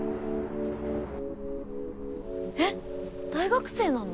えっ大学生なの？